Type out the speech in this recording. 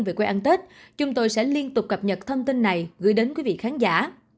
về quê ăn tết chúng tôi sẽ liên tục cập nhật thông tin này gửi đến quý vị khán giả